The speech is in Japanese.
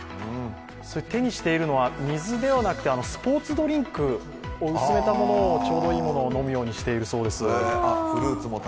手にしているのは水ではなくてスポーツドリンクを薄めたものを、ちょうどいいものを飲むようにしているそうです。